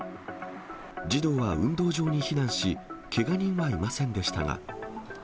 児童は運動場に避難し、けが人はいませんでしたが。